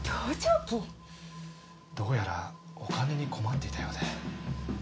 どうやらお金に困っていたようで。